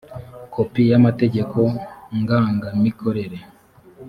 kopi y’ amategeko ngangamikorere